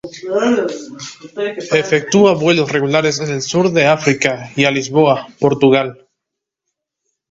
Efectúa vuelos regulares en el sur de África y a Lisboa, Portugal.